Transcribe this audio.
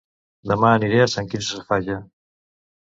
Dema aniré a Sant Quirze Safaja